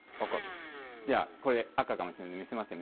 じゃあこれ赤かもしれないので見せますね